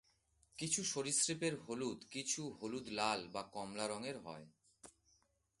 কিছু সরীসৃপের হলুদ, কিছু হলুদ লাল বা কমলা রঙের হয়।